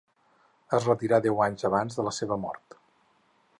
Es retirà deu anys abans de la seva mort.